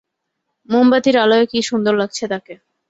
মোমবাতির আলোয় কী সুন্দর লাগছে তাকে!